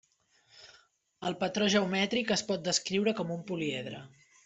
El patró geomètric es pot descriure com un políedre.